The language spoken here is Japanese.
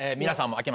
皆さんも。